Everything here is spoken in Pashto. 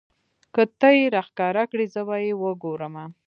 که تۀ یې راښکاره کړې زه به یې وګورمه.